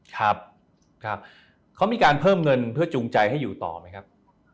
ครับครับเขามีการเพิ่มเงินเพื่อจูงใจให้อยู่ต่อไหมครับ